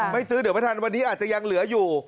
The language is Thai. ไม่ซื้อเดี๋ยวไม่ทันวันนี้อาจจะยังเหลืออยู่